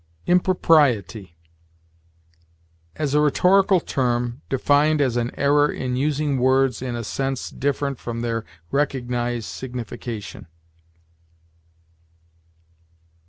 IMPROPRIETY. As a rhetorical term, defined as an error in using words in a sense different from their recognized signification.